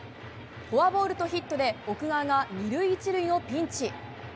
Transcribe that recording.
フォアボールとヒットで奥川が２塁１塁のピンチ。